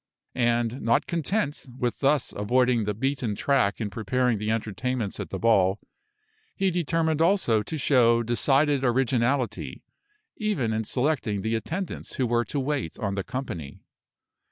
And not content with thus avoiding the beaten track in preparing the entertainments at the ball, he determined also to show decided originality, even in selecting the attendants who were to wait on the company.